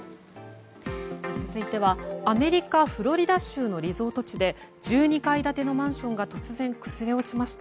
続いてはアメリカ・フロリダ州のリゾート地で１２階建てのマンションが突然、崩れ落ちました。